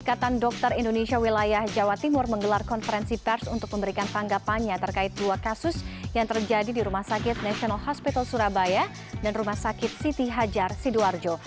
ikatan dokter indonesia wilayah jawa timur menggelar konferensi pers untuk memberikan tanggapannya terkait dua kasus yang terjadi di rumah sakit national hospital surabaya dan rumah sakit siti hajar sidoarjo